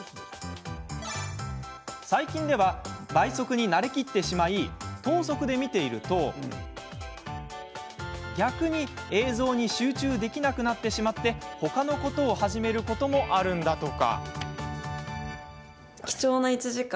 最近では倍速に慣れきってしまい等速で見ていると逆に映像に集中できなくなってしまって他のことを始めることもあるんだとか。